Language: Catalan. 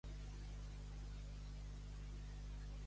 Amo jo, com en Banyoles.